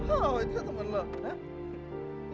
oh itu temen lo ya